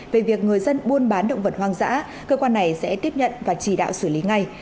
về việc người dân buôn bán động vật hoang dã cơ quan này sẽ tiếp nhận và chỉ đạo xử lý ngay